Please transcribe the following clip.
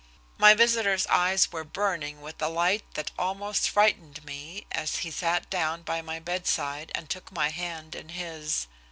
My visitor's eyes were burning with a light that almost frightened me as he sat down by my bedside and took my hand in his.